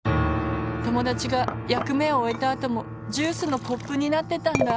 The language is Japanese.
ともだちがやくめをおえたあともジュースのコップになってたんだ。